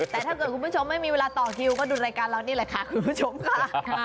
แต่ถ้าเกิดคุณผู้ชมไม่มีเวลาต่อคิวก็ดูรายการเรานี่แหละค่ะคุณผู้ชมค่ะ